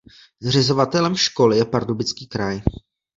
Zřizovatelem školy je Pardubický kraj.